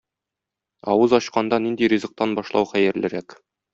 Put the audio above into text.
Авыз ачканда нинди ризыктан башлау хәерлерәк?